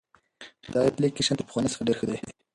دا اپلیکیشن تر پخواني نسخه ډېر ښه دی.